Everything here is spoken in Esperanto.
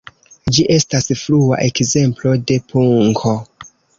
Ĝi estas frua ekzemplo de punko.